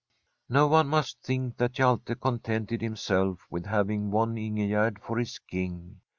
No one must think that Hjalte contented him self with having won Ingegerd for his Kine.